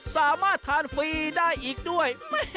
สามารถทานฟรีได้อีกด้วย